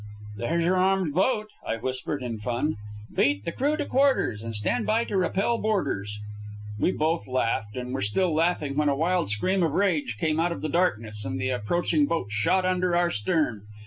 "There's your armed boat," I whispered in fun. "Beat the crew to quarters and stand by to repel boarders!" We both laughed, and were still laughing when a wild scream of rage came out of the darkness, and the approaching boat shot under our stern.